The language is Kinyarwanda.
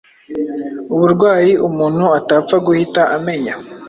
Uburwayi umuntu atapfa guhita amenya